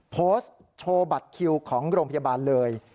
โพสต์โชว์บัตรคิวของโรงพยาบาลเลย